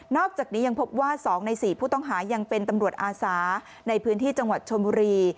อกจากนี้ยังพบว่า๒ใน๔ผู้ต้องหายังเป็นตำรวจอาสาในพื้นที่จังหวัดชนบุรี